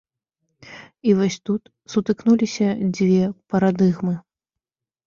І вось тут сутыкнуліся дзве парадыгмы.